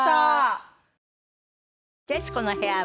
『徹子の部屋』は